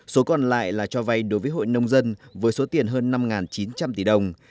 số còn lại là cho vay đối với hội nông dân với số tiền hơn năm chín trăm linh tỷ đồng